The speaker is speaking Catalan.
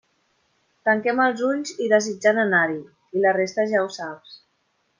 Tanquem els ulls i desitjant anar-hi... i la resta ja ho saps.